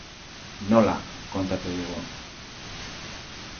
Nola, kontatu digu.